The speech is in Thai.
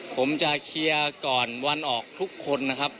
ผมจะเคลียร์ก่อนวันออกทุกคนนะครับ